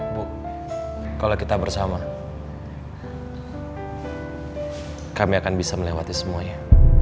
ibu kalau kita bersama kami akan bisa melewati semuanya